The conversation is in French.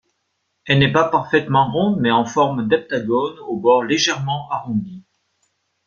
Elle n'est pas parfaitement ronde, mais en forme d'heptagone aux bords légèrement arrondis.